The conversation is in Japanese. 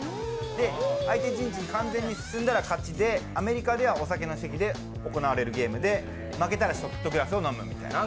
で、相手の陣地に完全に進んだら勝ちでアメリカではお酒の席で行われるゲームで、負けたらショットグラスを飲むみたいな。